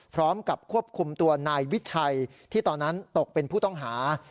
พร้อมกับควบคุมตัวนายวิชัยที่ตอนนั้นตกเป็นผู้ต้องหา